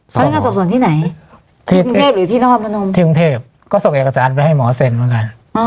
พนักงานสอบส่วนที่ไหนที่กรุงเทพหรือที่นครพนมที่กรุงเทพก็ส่งเอกสารไปให้หมอเซ็นเหมือนกัน